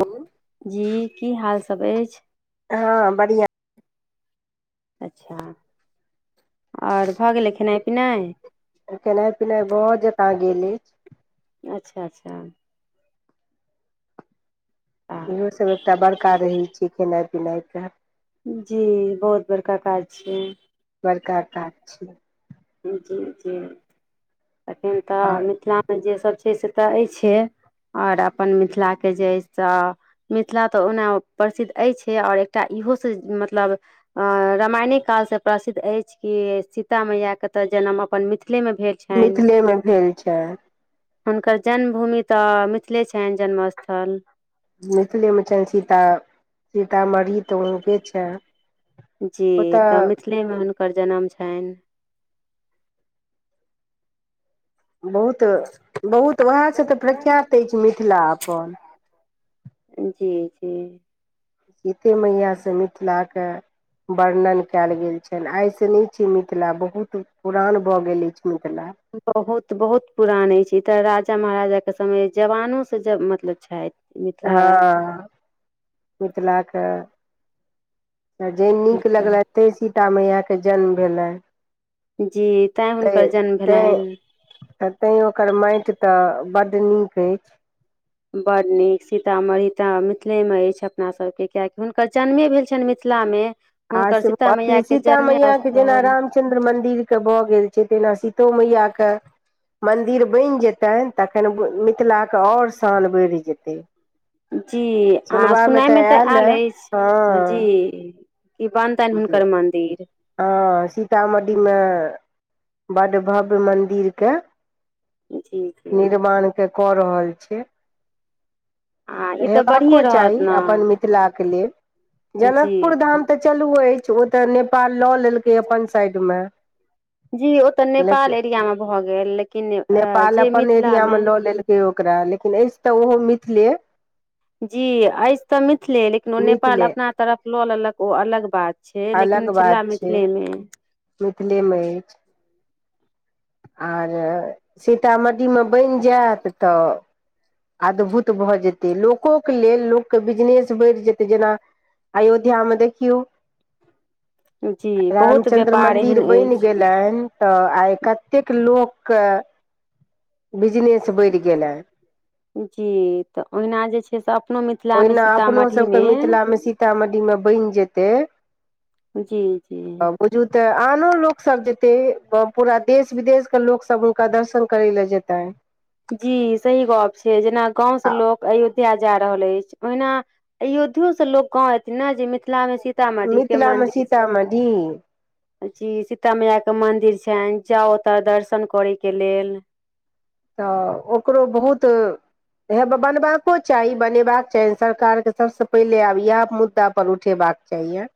हुं, जी की हाल सब अछि। हँ बढ़िया अच्छा, और भ गेलै खेनाइ-पिनाइ खेनाइ-पिनाइ भ जकाँ गेलै अच्छा-अच्छा। इहो आ- सब एकटा बड़का रहै छै खेनाइ-पिनाइ के। जी बहुत बड़का काज छियै। बड़का काज छै। जी-जी तखैन त आ मिथिला मे जे सब छै से त अइछे और अपन मिथिला के जे अछि त मिथिला त ओना प्रसिद्ध अछिये और एकटा इहो स मतलब अ रामायणे काल से प्रासिद्ध अछि की सीता मैया के त जनम अपन मिथिले में भेल छनि मिथिले में भेल छैय। हुनकर जन्मभूमि तऽ मिथिले छैन जन्म स्थल। मिथिले में छैन सीता, सीतामढ़ी तऽ हुनके छैय। जी तऽ मिथिले में हुनकर जनम छैन। बहुत-बहुत उएहा स तऽ प्रख्यात अइछ मिथिला अपन। जी-जी। सीते मैया स मिथिला के वर्णन कैल गेल छनि आइ सँ नहि छैय मिथिला बहुत पुरान भऽ गेल अइछ मिथिला। बहुत-बहुत पुरान अइछ इ त राजा महाराजा के समय जवानो से ज मतलब छइथ। हँ मिथिला के जैं नीक लगलैथ तैं सीता मैयाके जन्म भेलइ। जी तैं हुनकर जन्म भेलाइन। तऽ तैं ओकर माइट तऽ बड नीक अइछ। बड नीक सीतामढ़ी तऽ मिथिले में अइछ अपना सबके कियाकि हुनकर जन्मे भेल छइन मि थिला में। आ सिम प अथी सीता मैया के जेना स्थल राम चंन्द्र मन्दिर के भऽ गेल छैय तहिना सीतो मैया कऽ मन्दिर बइन जेतैन तखन मिथिला के और शान बइढ़ जेतै। जी आ सुनबामे सुनाय में तऽ आयल ऐल अइछ, जी। हँ की बनतैन हुनकर मन्दिर। अँ सीतामढ़ी में बड भव्य मन्दिर के जी जी निर्माण के कऽ रहल छैय। आ ई तऽ हेबाको बढ़िएँ चाही रहत ने अपन मिथिलाके लेल जी जनकपुर धाम तऽ चलू अइछ ओ तऽ नेपाल लऽ लेलकै अपन साइड में। जी ओ तऽ नेपाल एरिया में भऽ गेल। लेकिन अ नेपाल जे अपन एरिया मिथिलामे में लऽ लेलकै ओकरा लेकिन अइछ तऽ ओहो मिथिले। जी अइछ तऽ मिथिले लेकिन ओ नेपाल मिथिले अपना तरफ लऽ लेलक ओ अलग बात छैय लेकिन अलग छेला बात छै मिथिले में। मिथिले में अइछ। आर सीतामढ़ी में बइन जैत तऽ अद्भुत भऽ जेतै, लोको के लेल लोकके बिजनेस बइढ़ जेतै जेना अयोध्या में देखियौ, जी बहुत रामचन्द्र व्यापार मंदिर एहन बइन अछि गेल लैन तऽ आइ कतेक लोक कऽ बिजनेस बैढ गेलेय। जी तऽ ओहिना जे छैय ते सब अपनो मिथिला मे ओहिना अपनो सीतामढ़ी सबके मे मिथिलामे सीतामढ़ीमे बनि जेतै जी जी। अ बुझू तऽ आनो लोकसब जेतै पूरा देश विदेश के लोकसब हुनका दर्शन करय लए जेते। जी सही गप छैय, जेना गाँंव से आ लोक अयोध्या जा रहल ऐछ। ओहिना अयोध्यो से लोक गाँव एतना जे मिथिलां मे सि सीतामढ़ी के मिथिलामे मंदिर छी। सीतामढ़ी जी सीता मैया के मंदिर छैय, जाउ ओतऽ दर्शन करे के लेल। तऽ ओकरो बहुत हेबे बनबाको चाही, बनेबाक चाही सरकार के सबसे पहिले आब इहाए मुद्दा पर उठे बाक चाहिये।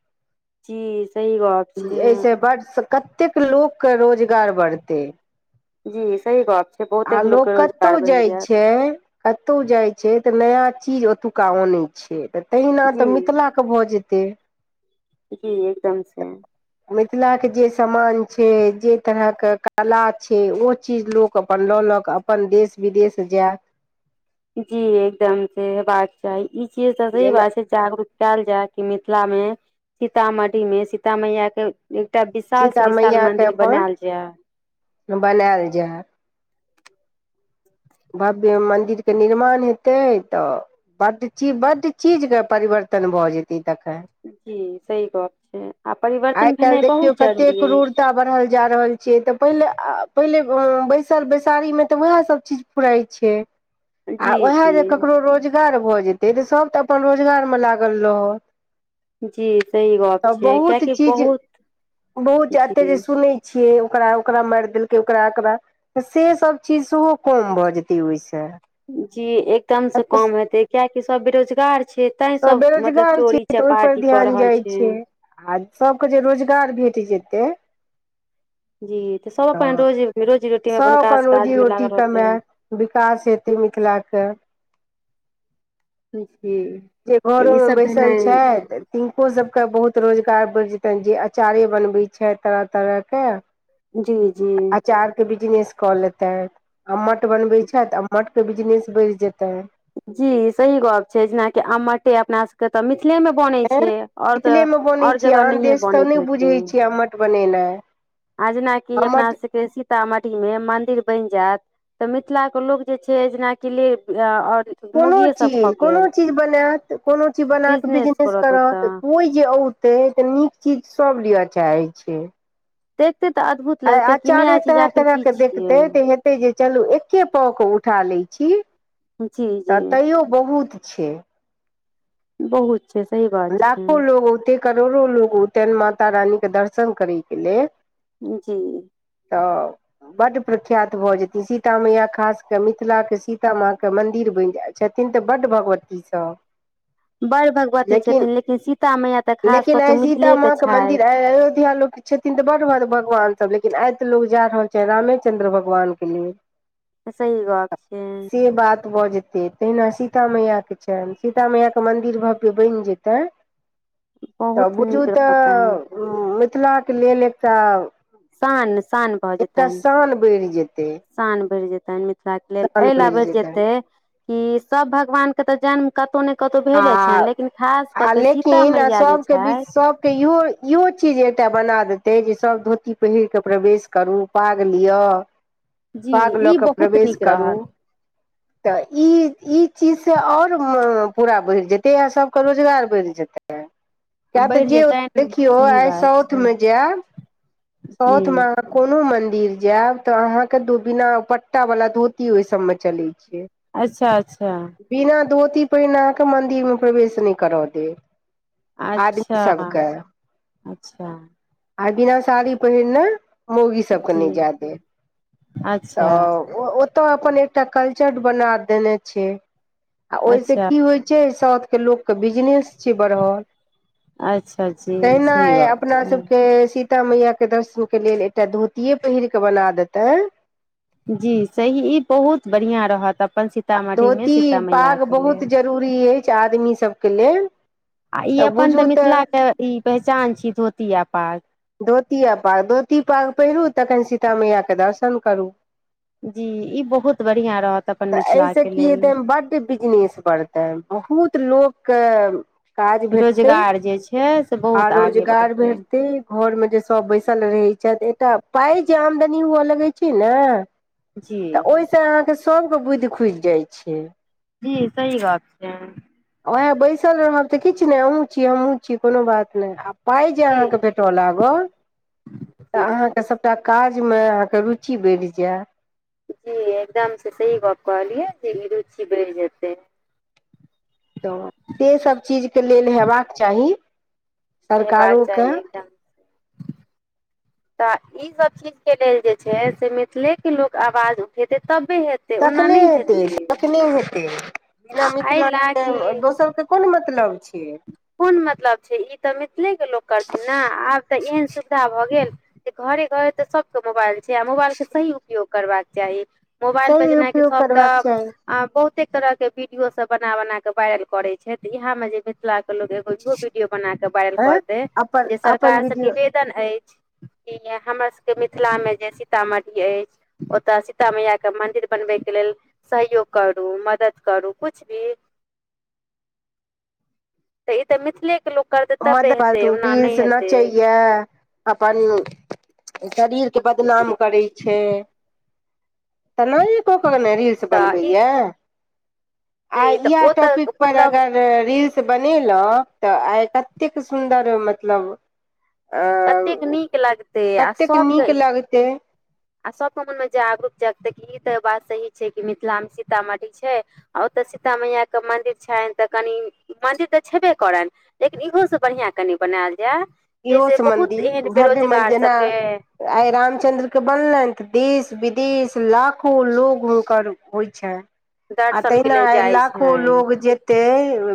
जी सही गप। छै ए से बड स कतेक लोक के रोजगार बढ़तै। जी सही गप छै आ बहुतेक के लोक कतौ रोजगार भेट जाये जायत छै कतौ जाय छै तऽ नया चीज ओतुका आनै छै तऽ तहिना तऽ जी मिथला कऽ भ जेतै। जी एकदम से। मिथलाके जे समान छै, जे तरह के कला छै ओ चीज लोक अपन लऽ-लऽ कऽ अपन देश-विदेश जाय। जी एकदम से हेबाक चाही, ई चीज तऽ सही जेना बात छै। जागरूक काएल जाय कि मिथला मे सीतामढ़ी मे सीता मैया के एकटा विशाल से सीता विशाल मंदिर बनाएल जाय। बनाएल जाय। भव्य मन्दिरके निर्माण हेतै तऽ बड ची, बड चीज के परिवर्तन भ जेतै तखन। जी सही गप छै आ परिवर्तन भेनाए बहुत जरूरी अय। ता बढ़ल जा रहल छियै तऽ पहिले आ पहिले अ बैसल बैसारी मे तऽ उहाए सब चीज फुरै छै आ जी उहाए जे जी ककरो रोज गार भऽ जेतै तऽ सब तऽ अपन रोजगार मे लागल रहत। जी सही गप तऽ छै बहुत कियाकि चीज, बहुत बहुत जे एते जी जे सुनै छिये ओकरा आय ओकरा माएर देलकै, ओकरा-ऐकरा से सब चीज सुहो कम भ जेतै ओय से। जी एकदम से कम हेतै कियाकि सब बेरोजगार छै तैं सब मतलब बेरोजगार छै चोरी तऽ ओहिपर चपाटी क ध्यान रहल जाइ छै। आ सबके जे रोजगार भेट जेतै जी तऽ सब अपन रोजी, रोजी-रोटी अपन सब कास काज रोजी मे रोटी लागल रह‌तै। कमाय विकास हेतै मिथला के। होय छी। जे घरो मे बैसल छैत तिनको सबके बहुत रोजगार बैढ जेतैन जे अचारे बनबै छै तरह-तरह के। जी-जी। अचार के बिजनेस कऽ लेतै, अम्मट बनबै छै तऽ अम्मट के बिजनेस बैढ़ जेतै। जी सही गप छै जेना कि अम्मटे अपना के ते मिथले मे बनै एं छै और तऽ मिथिले मे बनै और जगह नहिये बनैत हेतै। बनेनाय। आ जेनाकि अपना से के सी तामढ़ी मे मंदिर बैन जाएत तऽ मिथला के लोग जे छै जेना कि लेब आ और कोनो चीज, कोनो चीज बनाएत, कोनो चीज बना के बिजनेस करत कोई ये औते तऽ नीक चीज सब लिये चाहे छै। देखतै त अद्भुत आय लगतै कि नया अचारे चीज आखिर तरह-तरह की के छियै देखतै ते हेतै जे चलु एके पौउ के उठा लै छी। जी त जी तैयो बहुत छै। बहुत छै सही बात। छै लाखो लोग औते करोड़ो लोग औतइन माता रानीके दर्शन करैके लेल। जी। तऽ बड्ड प्रख्यात भए जेतै सीता मैया खासके मिथिला के सीतामां के मंदिर बनि जाइत। छथिन तऽ बड्ड भगवती सब। बड्ड भगवती छथिन लेकिन सीता मैया तऽ खास क के मिथिलेके छैथ। अय अयोध्या लोक छेथिन तऽ बड बड भगवान सब लेकिन आइ तऽ लोग जा रहल छैय रामे चंद्र भगवान के लेल। सही गप छै से बात भ जेतै। तहिना सीता मैयाके छइन, सीता मैयाके मन्दिर भव्य बइन जेतै। तऽ बहुत बुझू नीक रहतनि तऽ मिथिलाके लेल एकटा शान शान भऽ एकटा जेतनि शान बैढ़ जेतै। शान बढ़ि जेतनि मिथिला के लेल, एहि ल बढ़ि जेतै कि सब भगवान के त जन्म कतहु ने कतहु आ भेले छनि लेकिन खास क के सीता मैया जे छैय। के इहो इहो चीज एतय बना देतै जे सभ धोती पहिरक प्रवेश करू, पाग लिअ। जी पाग लऽ ई बहुत नीक रहत। त ई ई चीजसँ और मुउ पूरा बढ़ि जेतै आ सभके रोजगार बढ़ि जेतै। [inaudible] किए त जे ओ जेतनि देखियौ सही आइ बात साउथ छै मे जाएब जी साउथ मे कोनो मंदिर जाएब त अहाँ के दु बिना पट्टा वाला धोती ओइ सबमें चलै छैय। हे अच्छा अच्छा बिना धोती पहिरने अहाँके मंन्दिरमे प्रवेश नै करऽ देत। आदमी अच्छा सभके। अच्छा आ बिना साड़ी पहिरने मौगी सबके नै जी जाए देेत, तऽ अच्छा ओ ओतऽ अपन एकटा कल्चर्ड बना देने छैय। आ ओइसं अच्छा की होइ छैय, साउथके लोकके बिजनेस छैय बढ़ल। अच्छा जी तहिना सही ऐ गप अपना छै सबके सी ता मैया के दर्शनक के लेल एकटा धोतिए पहिरक बना देतय। जी सही ई बहुत बढ़िआं रहत अपन सीतामढ़ीमे धोती सीता पाग मैयाके बहुत लेल। जरूरी अएछ आदमी सबके लेल। आ ई अपन तऽ मिथिलाक के ई पहचान छी धोती आ पाग। धोती आ पाग, धोती पाग पहिरू तखन सीता मैयाके दर्शन करू। जी ई बहुत बढ़िया रहत। अपन त अइसं मिथिलाके की लेल हेतै बड्ड बिजनेस बढ़तैन, बहुत लोकके काज भेटतै रोजगार जे छै से आ बहुत आगे रोजगार बढ़तै भेटतै। घर मे जे सब बैसल रहै छैथ, एकटा पाय जे आमदनी हुअ लगै छैय ने जी त ओइसँ अहाँके सभके बुद्धि खुइल जाइ छैय। जी सही बात छैय। उएह बैसल रहब त किछु नै अहूँ छी हमहुं छी कोनो बात नै आब। पाइ जे जी अहाँके भेट लागल जी तऽ अहाँ जी तऽ सभटा काजमे अहाँके रुची बढ़ि जाएत। जी एकदम से सही गप कहलियै जे ई रुचि बइढ़ जेतै। तऽ से सब चीजके लेल हेबाक चाही। हेबाके सरकारोके चाही एकदम तऽ ईसभ चीजके लेल जे छै, से मिथिलेके लोक आवाज उठेतै तबे हेतै। ओना तखने नहि हेतै, तखने हेतै, बिना आ एहि लए मिथिलाके कि दोसरके कोन मतलब छिय। कोन मतलब छै ई तऽ मिथिले के लोक करथिन ने आब तऽ एहन सु सुबिधा भऽ गेल, जे घरे- घरे त सबके मोबाइल छै, आ मोबाइल के सही उपयोग करबाक चाही। मोबाइल पर सही जेनाकि, उपयोग सब करबाक तऽ चाही आ बहुते तरह के वीडियो सब बना- बना के वायरल करे छै, त इहा में जे मिथिला के लोग एगो इहो वीडियो बना क वायरल कऽ आँय दै ह। अपन जे अपन सरकार से वीडियो निवेदन ऐछ हमर सभके मिथिलामे जे सीतामढ़ी अछि। ओतऽ सीता मैया क मन्दिर बनबैके लेल। सहयोग करू, मदद करू, कुछ भी तऽ ई तऽ मिथिले के लोक करतै [unintelligible] म तबे हेतै ओना बीज नहि हेतै चाहिए अपन शरीरके बदनाम जी करै छै। तेनाही क कऽ, रील्स तऽ ई बनबैए। आइ जी तऽ इएह ओ तऽ टॉपिकपर मतलब अगर रील्स बनेलहुँ, तऽ आइ कत एतेक सुन्दर! मतलब। कतेक नीक लग कत्तेक नीक लगते। आ सबके मन मेमे जागरूक जागते, ई तऽ बात सही छै, कि मिथिला मे सीतामढ़ी छै। आ ओतऽ सीता मैयाक के मन्दिर छनि, तऽ कनि, मन्दिर तऽ छेबे करनि। लेकिन इहोसँ बढ़िआँ कनि बनायल जाय। इहो जाहिसँ सम्बन्धी, बहुत एहन भव्य म बेरोजगार जेना सभके आइ रामचन्द्रके बनलनि, तऽ देश- विदेश लाखो लोग हुनकर होइ छनि। आ दर्शनके तहिना लेल आय जाइ लाखो छनि लोग जे ते,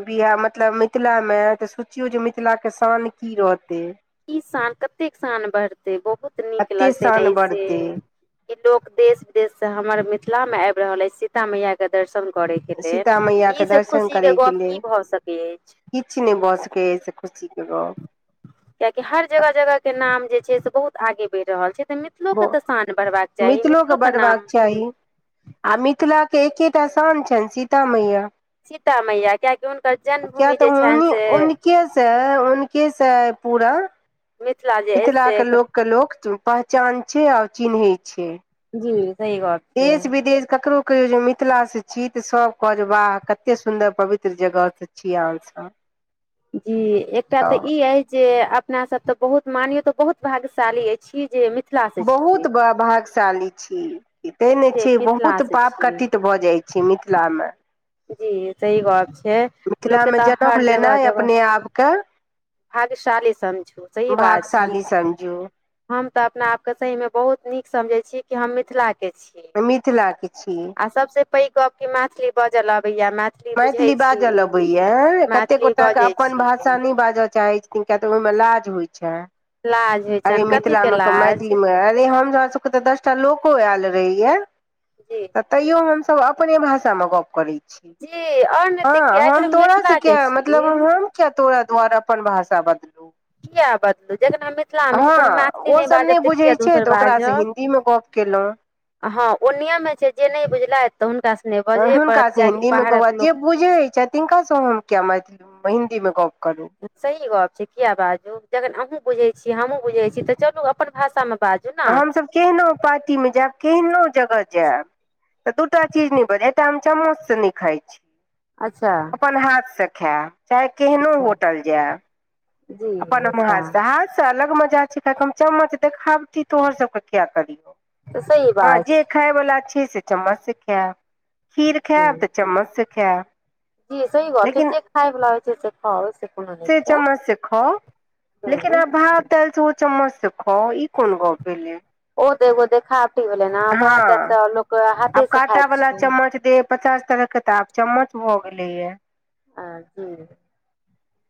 बि मतलब मिथिलामे तऽ सोचियौ जे, मिथिलाके शान की रहतै। ई सान, कतेक सान बढ़तै बहुत नीक कते लगते ने शान एहिसे बढ़ते ई लोकग देश -विदेश से हमर मिथिला मे आबि रहल अछि सि सीता मैया के दर्शन करे के सीता लेल, मैया ई के से दर्शन खुशी करे के गप लेल की भए सकै अछि। किछु नहि भऽ सकैए, अई से खुशीके गप। कियाकि हर जगह -जगह के नाम जे छै से बहुत आगे बैढ़ रहल छै तऽ मि मिथिलो क तऽ शान बढ़बाक चाही, मिथिलोके मिथिलो के नाम [unintelligible] आ मिथिलाक एकेटा सान छनि, सीता मैैया! सीता मैया, कियाकि हुन किया तऽ, उह उनके से, उनके से पूरा मिथिला जे अछि मिथिलाके से लोकके लोक, पहचान छै, आर चिन्हैत छै। जी सही कह त देस विदेस ककरो कहियो जे मिथिला से छी, त सब कह जे वाह! कते सुन्दर पवित्र जगह से छी, अहाँ सब। ह जी! एकटा तऽ ई अइ जे अब अपना सब तऽ बहुत मानियो त बहुत भाग्यशाली एछि जे मि बहुत भागशाली छी। तैने जी छै, मिथिला बहुत से पाप छी कटित भऽ जाइ छै, मिथिला मे। जी सही बात छै, मिथिला लोक के मे तऽ जन्म हर लेनाइ जगह-जगह [unintelligible] के भाग्यशाली समझू सही बात छै। भाग्यशाली समझू हम तऽ अपना आपके सहीमे बहुत नीक समझै छी कि हम मिथलाके छी। मिथला के छी। पैग गप कि मैथली बाजै ल आबैया मे मैथिली बाजल अबैया, कते मैथिली गोटा के बजै अपन छी भाषा नै बाजअ चाहै छ थिन किया ते ओय मे लाज होय छाए। लाज होइ अरे छनि कथी मिथला के मे क लाज मैथिली मे अरे हम जहां से क त दसटा लोको आएल रहैया जी तऽ तैयो हम सब अप अपने भाषा मे गप करै छी, जी आओर ने तऽ हां किया हम आखिर तोरो से मिथिला के किया छी मतलब हम किया तोरा दुआरे अपन भाषा बदलु। कियाए बदलु जखन हम मि थला मे छी तऽ हम हँ मैथिली ओ नै सब बाजब नहि तऽ बुझै किया छै दोसर तऽ ओकरा से बाजब। हिन्दी मे गप केलहुँ हां ओ नियम हय छै जे नै बुझलैथ तऽ हुनका संगे बाजये हुनका पड़त से कियाकि हिन्दी मे गप बाहरक जे लोक बुझै छै तिनका से हम कियाए मैथिली हिन्दीमे गप्प करू। सही गप छै कियाए बाजु जखन अहुं बुझै छीयै, हमु बुझै छीयै तऽ चलू अपन भाषामे बाजू ने हम सब केहनो पार्टी मे जाएब, केहनो जगह जाएब तऽ दूटा चीज नै बजै एकटा हम चम्मच से नै खाय छी। अच्छा। अपन हाथ से खाए चाहे केहनो अच्छा होटल जाय। जी अपन हम अच्छा हाथ से, हाथ से अलग मजा छै तखन चम्मच देखाबटी तोहर सबके कियाए करियौ। तऽ सही हां बात जे खाय बला छै से चम्मच से खाएब। खीर छै खाएब जी ते चम्मच से खाए। जी सही गप छै जे खाय बला होय छै से खाउ ओय से कुनू से चम्मच से खाउ, लेकिन हूँ आब भात दाल सेहो चम्मच से खोउ इ कोन गप्प भेलै। ओ तऽ एगो देखाबटी भेलै ने हँ भात-दाल ते लोक आब हाथे से खाय काँटावला छै। चम्मच दे पचास तरह के तऽ आब चम्मच भ गेलैया। आ जी।